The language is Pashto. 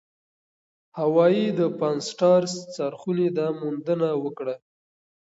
هاوايي د پان-سټارس څارخونې دا موندنه وکړه.